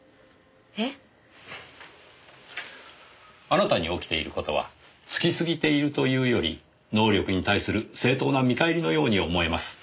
あなたに起きている事はツキすぎているというより能力に対する正当な見返りのように思えます。